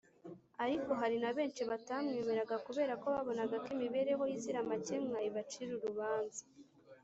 ; ariko hari na benshi batamwegeraga, kubera ko babonaga ko imibereho Ye izira amakemwa ibacira urubanza.